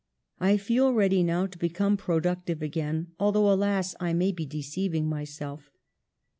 I feel ready now to become productive again, although, alas, I may be deceiving myself!